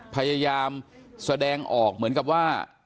พยายามแสดงออกเหมือนกับว่า